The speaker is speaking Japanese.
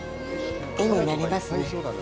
絵になりますね。